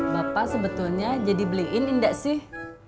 bapak sebetulnya jadi beliin enggak sih